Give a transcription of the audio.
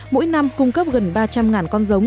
mỗi năm cung cấp gần ba trăm linh con giống